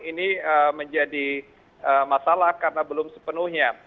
ini menjadi masalah karena belum sepenuhnya